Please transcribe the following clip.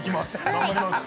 頑張ります。